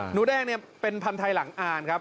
หนูแดงเนี่ยเป็นพันธุ์ไทยหลังอ่านครับ